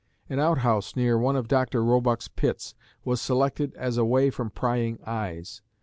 An outhouse near one of Dr. Roebuck's pits was selected as away from prying eyes.